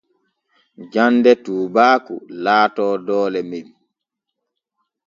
Jande tuubaaku laato doole men.